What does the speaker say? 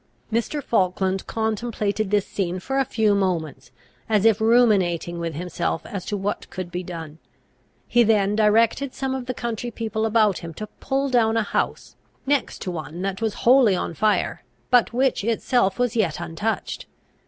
Mr. Falkland contemplated this scene for a few moments, as if ruminating with himself as to what could be done. He then directed some of the country people about him to pull down a house, next to one that was wholly on fire, but which itself was yet untouched.